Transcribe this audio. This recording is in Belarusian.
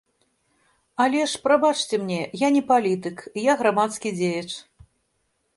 Але ж, прабачце мне, я не палітык, я грамадскі дзеяч.